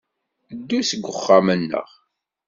Ddu seg uxxam-nneɣ.